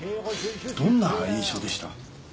どんな印象でした？